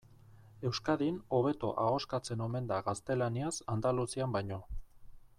Euskadin hobeto ahoskatzen omen da gaztelaniaz Andaluzian baino.